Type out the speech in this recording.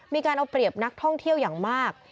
มีการเอาเปรียบนักท่องเที่ยวอย่างมาก